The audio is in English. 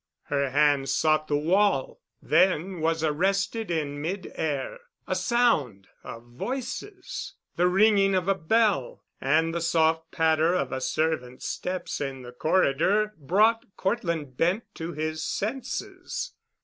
Her hand sought the wall, then was arrested in mid air. A sound of voices, the ringing of a bell, and the soft patter of a servant's steps in the corridor brought Cortland Bent to his senses.